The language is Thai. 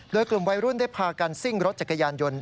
โดยกลุ่มวัยรุ่นได้พากันซิ่งรถจักรยานยนต์